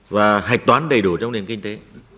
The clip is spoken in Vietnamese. và hạch toán đầy đủ trong nền kinh tế